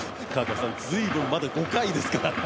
ずいぶんと、まだ５回ですからね。